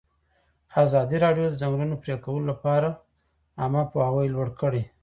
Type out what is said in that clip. ازادي راډیو د د ځنګلونو پرېکول لپاره عامه پوهاوي لوړ کړی.